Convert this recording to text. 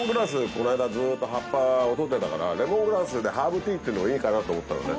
この間ずっと葉っぱを採ってたからレモングラスでハーブティーっていうのもいいかなと思ったのね。